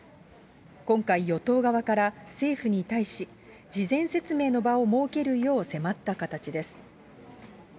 今回、与党側から政府に対し、事前説明の場を設けるよう迫った形です。